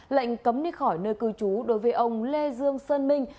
lệnh cấm đi khỏi nơi cư trú đối với ông lê dương sơn minh